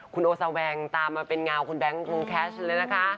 คุณโอซาแวงตามมาเป็นเงาคุณแบงค์คุณแคชเลยนะคะ